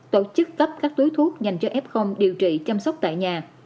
tổ chức cấp các túi thuốc dành cho f điều trị chăm sóc tại nhà